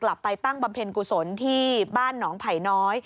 ไปตั้งบำเพ็ญกุศลที่บ้านหนองไผ่น้อย